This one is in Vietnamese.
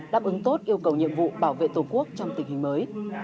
đáp ứng tốt yêu cầu nhiệm vụ bảo vệ tổ quốc trong tình hình mới